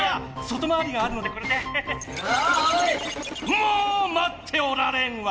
もうまっておられんわ！